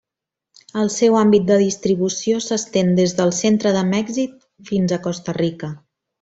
El seu àmbit de distribució s'estén des del centre de Mèxic fins a Costa Rica.